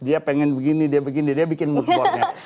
dia pengen begini dia begini dia bikin mood boardnya